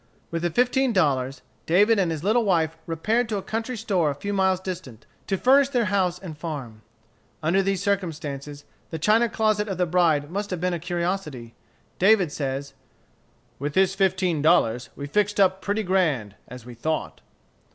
With the fifteen dollars, David and his little wife repaired to a country store a few miles distant, to furnish their house and farm. Under these circumstances, the china closet of the bride must have been a curiosity. David says, "With this fifteen dollars we fixed up pretty grand, as we thought."